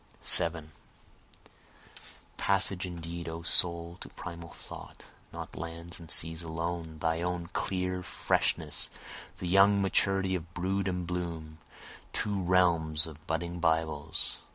7 Passage indeed O soul to primal thought, Not lands and seas alone, thy own clear freshness, The young maturity of brood and bloom, To realms of budding bibles.